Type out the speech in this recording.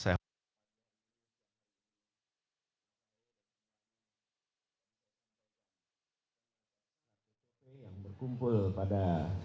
yang berkumpul pada